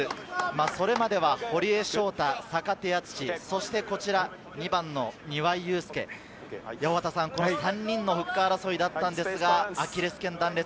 それまでは堀江翔太、坂手淳史、そして２番の庭井祐輔、この３人のフッカー争いだったのですが、アキレス腱断裂。